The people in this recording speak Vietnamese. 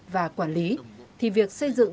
và quản lý thì việc xây dựng